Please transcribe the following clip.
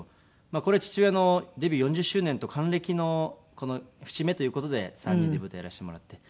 これ父親のデビュー４０周年と還暦の節目という事で３人で舞台やらせてもらって。